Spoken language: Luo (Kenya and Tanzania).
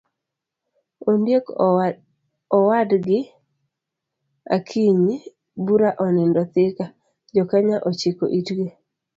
ondiek owadgi akinyi bura onindo thika, jokenya ochiko itgi